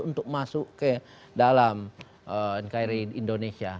untuk masuk ke dalam nkri indonesia